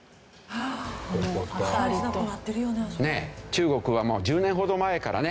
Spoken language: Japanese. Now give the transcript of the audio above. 中国はもう１０年ほど前からね